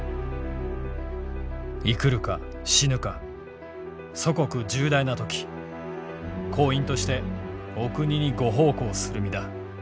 「生くるか死ぬか祖国重大なとき工員としてお国にご奉公する身だ。